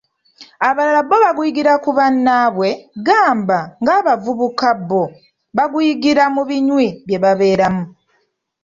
Abalala bo baguyigira ku bannaabwe, gamba ng'abavubuka bo baguyigira mu "binywi" byebabeeramu.